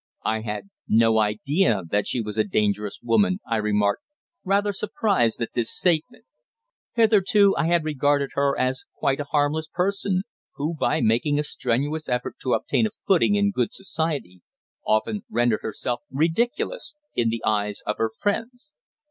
"I had no idea that she was a dangerous woman," I remarked, rather surprised at this statement. Hitherto I had regarded her as quite a harmless person, who, by making a strenuous effort to obtain a footing in good society, often rendered herself ridiculous in the eyes of her friends.